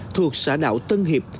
thuộc xã đảo tân hiệp